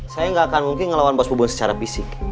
saya gak akan mungkin ngelawan bos bubun secara fisik